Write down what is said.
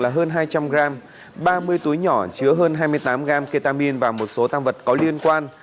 hơn hai trăm linh gram ba mươi túi nhỏ chứa hơn hai mươi tám gram ketamin và một số tăng vật có liên quan